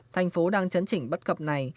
thành phố đang chấn chỉnh bắt cập này